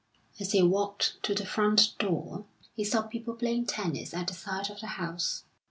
As he walked to the front door, he saw people playing tennis at the side of the house.